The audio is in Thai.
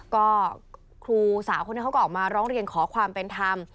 ก็ครูสาวคนนี้เขาก็ออกมาร้องเรียนขอความเป็นธรรม